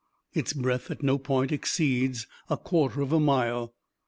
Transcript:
Its breadth at no point exceeds a quarter of a mile.